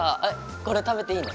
これ食べていいの？